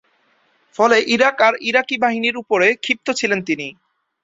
ফলে ইরাক আর ইরাকী বাহিনীর উপরে ক্ষিপ্ত ছিলেন তিনি।